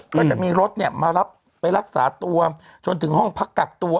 ก็จะมีรถเนี่ยมารับไปรักษาตัวจนถึงห้องพักกักตัว